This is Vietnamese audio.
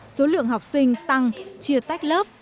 số lượng học sinh tăng chia tách lớp